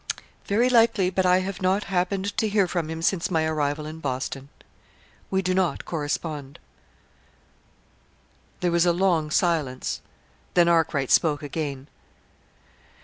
"Very likely, but I have not happened to hear from him since my arrival in Boston. We do not correspond." There was a long silence, then Arkwright spoke again.